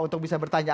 untuk bisa bertanya